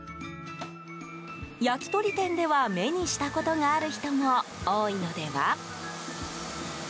焼き鳥店では目にしたことがある人も多いのでは？